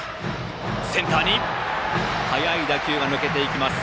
センターに速い打球が抜けていきます。